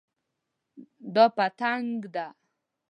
دا پتنګ ده